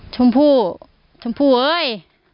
ชมพู่ชมพู่เอ้ย